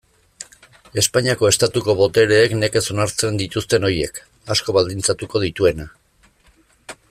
Espainiako Estatuko botereek nekez onartzen dituzten horiek, asko baldintzatuko dituena.